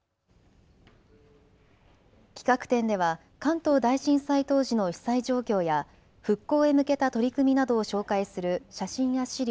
企画展では関東大震災当時の被災状況や復興へ向けた取り組みなどを紹介する写真や資料